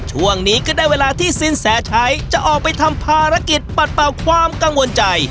ช่วงนี้ก็ได้เวลาที่สินแสชัยจะออกไปทำภารกิจปัดเป่าความกังวลใจ